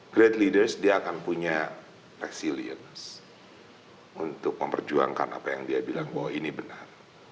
great leaders dia akan punya resilience untuk memperjuangkan apa yang dia bilang bahwa ini benar